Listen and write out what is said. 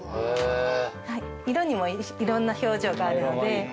色にもいろんな表情があるので。